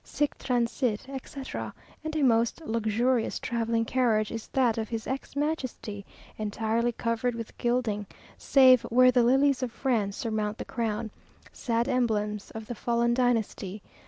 "Sic transit," etc.; and a most luxurious travelling carriage is that of his ex majesty, entirely covered with gilding, save where the lilies of France surmount the crown, (sad emblems of the fallen dynasty!)